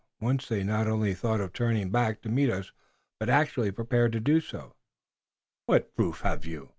Once they not only thought of turning back to meet us, but actually prepared to do so." "What proof have you?"